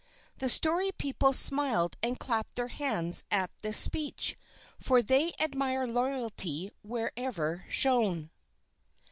The Story People smiled and clapped their hands at this speech, for they admire loyalty wherever shown.